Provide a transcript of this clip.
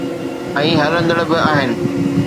۽ ھلندڙ به آھن